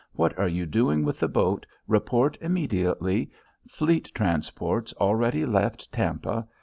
What are you doing with the boat? Report immediately. Fleet transports already left Tampa.